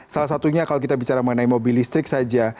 salah satunya kalau kita bicara mengenai mobil listrik saja